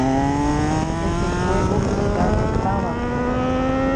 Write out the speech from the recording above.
Hetekue opyta pe távape.